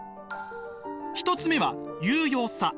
１つ目は有用さ。